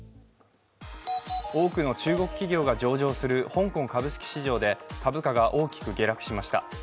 多くの中国企業が上場する香港株式市場で株価が大きく下落しました。